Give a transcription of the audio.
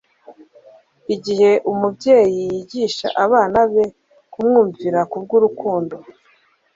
Igihe umubyeyi yigisha abana be kumwumvira kubw'urukundo,